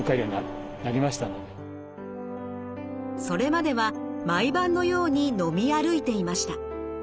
それまでは毎晩のように飲み歩いていました。